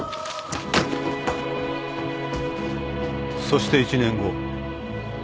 そして１年後。